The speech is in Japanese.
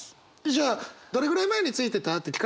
じゃあ「どれぐらい前に着いてた？」って聞かれるじゃん。